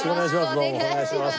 どうもお願いします。